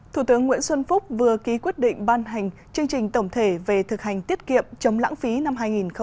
thủ tướng nguyễn xuân phúc vừa ký quyết định ban hành chương trình tổng thể về thực hành tiết kiệm chống lãng phí năm hai nghìn hai mươi